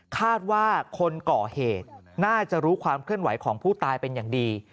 คาดว่าคนก่อเหตุน่าจะรู้ความเคลื่อนไหวของผู้ตายเป็นอย่างดี